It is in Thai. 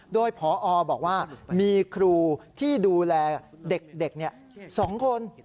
โดยพอบอกว่ามีครูที่ดูแลเด็ก๒คน